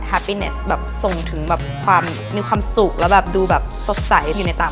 ปิ้เนสแบบส่งถึงแบบความมีความสุขแล้วแบบดูแบบสดใสอยู่ในตา